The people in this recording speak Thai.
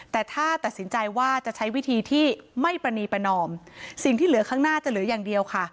แต่ถ้าตัดสินใจว่าจะใช้วิธีที่ไม่ประนีประนอมสิ่งที่เหลือข้างหน้าจะเหลืออย่างเดียวค่ะ